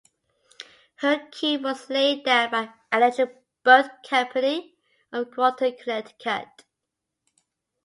Her keel was laid down by Electric Boat Company of Groton, Connecticut.